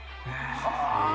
はあ。